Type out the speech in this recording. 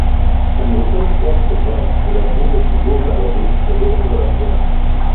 אני רוצה לפתוח סוגריים ולהזמין את הציבור בערבית לבוא מחר להפגנה